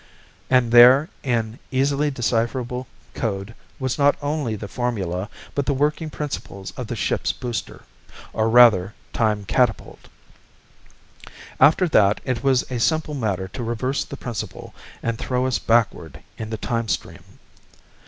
And there, in easily decipherable code, was not only the formula, but the working principles of the ship's booster or rather, time catapult. After that, it was a simple matter to reverse the principle and throw us backward in the time stream.